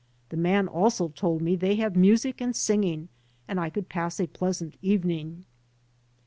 The man also told me they have music and singing and that I could pass a pleasant evening."